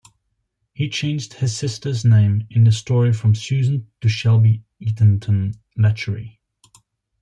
He changed his sister's name in the story from Susan to Shelby Eatenton-Latcherie.